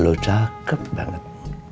lu cakep banget